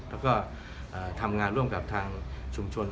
แล้วก็ทำงานร่วมกับทางชุมชน